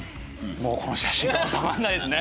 もうこの写真はたまらないですね